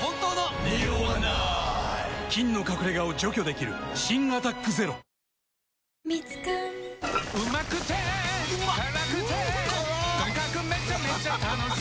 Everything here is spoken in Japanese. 菌の隠れ家を除去できる新「アタックＺＥＲＯ」おはようございます。